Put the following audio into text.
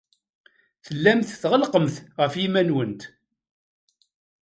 Tellamt tɣellqemt ɣef yiman-nwent.